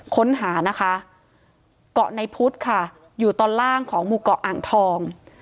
ค้นหานะคะเกาะในพุทธค่ะอยู่ตอนล่างของหมู่เกาะอ่างทอง